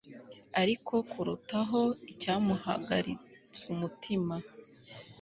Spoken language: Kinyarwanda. Ariko kurutaho icyamuhagaritsumutima